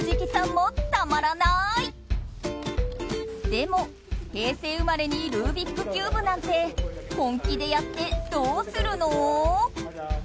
でも平成生まれにルービックキューブなんて本気でやってどうするの？